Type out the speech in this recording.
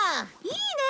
いいね！